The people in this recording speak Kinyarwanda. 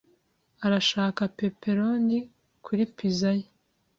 arashaka pepperoni kuri pizza ye.